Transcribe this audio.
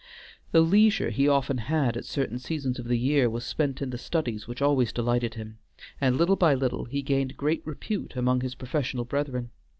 The leisure he often had at certain seasons of the year was spent in the studies which always delighted him, and little by little he gained great repute among his professional brethren.